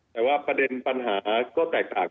แต่ว่าประเด็นปัญหาก็แตกต่าง